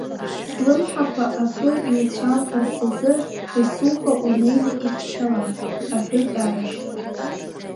Слымҳақәа акы иуцәамфарц азы есуаха унеины ихьчала, — аҳәеит арашь.